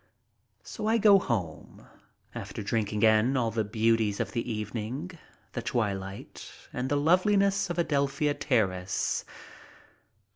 So I go home, after drinking in all the beauties of the evening, the twilight, and the loveliness of Adelphia Ter race.